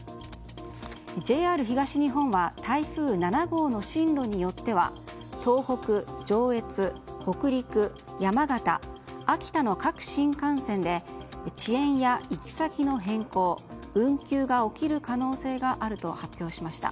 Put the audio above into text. ＪＲ東日本は台風７号の進路によっては東北、上越、北陸、山形、秋田の各新幹線で遅延や行き先の変更運休が起きる可能性があると発表しました。